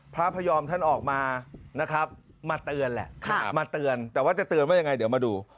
พระพยอมท่านออกมานะครับมาเตือนแหละมาเตือนแต่ว่าจะเตือนว่ายังไงเดี๋ยวมาดู